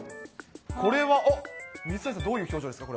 これは、あっ、水谷さん、どういう表情ですか？